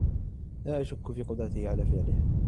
لا أشك في قدرته على فعلها.